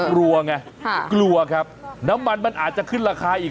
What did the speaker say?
กลัวไงกลัวครับน้ำมันมันอาจจะขึ้นราคาอีก